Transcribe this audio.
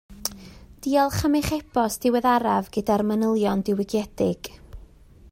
Diolch am eich e-bost diweddaraf gyda'r manylion diwygiedig